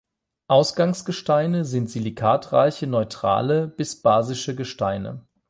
Ausgangsgesteine sind silikatreiche neutrale bis basische Gesteine.